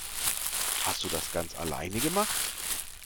Hast du das ganz alleine gemacht?